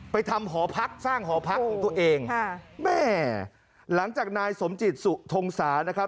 ทำหอพักสร้างหอพักของตัวเองค่ะแม่หลังจากนายสมจิตสุทงศานะครับ